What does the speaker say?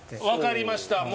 わかりました。